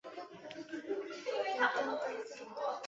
其图案是采用滴落和揩抹的方法装饰在坯体上。